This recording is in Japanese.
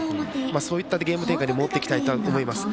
そういったゲーム展開に持っていきたいと思います。